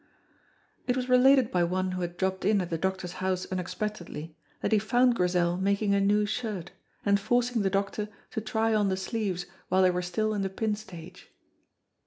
It was related by one who had dropped in at the doctor's house unexpectedly, that he found Grizel making a new shirt, and forcing the doctor to try on the sleeves while they were still in the pin stage.